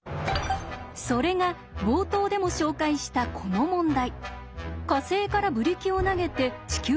それが冒頭でも紹介したこの問題。